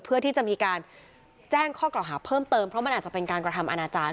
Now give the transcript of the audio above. เพื่อที่จะมีการแจ้งข้อกล่าวหาเพิ่มเติมเพราะมันอาจจะเป็นการกระทำอนาจารย์